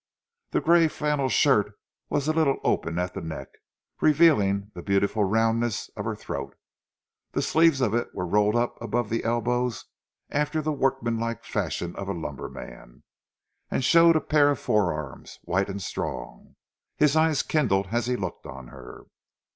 The grey flannel shirt was a little open at the neck, revealing the beautiful roundness of her throat, the sleeves of it were rolled up above the elbows after the work man like fashion of a lumberman, and showed a pair of forearms, white and strong. His eyes kindled as he looked on her.